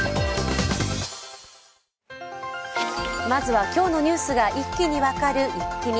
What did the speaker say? まずは今日のニュースが２分で分かるイッキ見。